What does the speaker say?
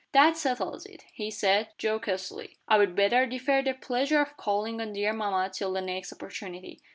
"That settles it," he said, jocosely. "I'd better defer the pleasure of calling on dear mamma till the next opportunity.